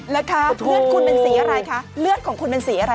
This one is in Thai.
เลือดคุณเป็นสีอะไรคะเลือดของคุณเป็นสีอะไร